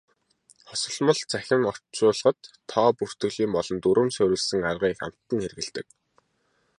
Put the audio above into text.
Хосолмол цахим орчуулгад тоо бүртгэлийн болон дүрэм суурилсан аргыг хамтад нь хэрэглэдэг.